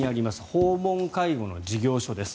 訪問介護の事業所です。